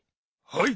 はい！